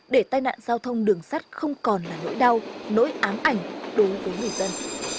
để tai nạn giao thông đường sắt không còn là nỗi đau nỗi ám ảnh đối với người dân